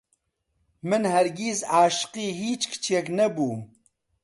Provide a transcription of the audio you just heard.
من هەرگیز عاشقی هیچ کچێک نەبووم.